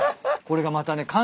これがまたね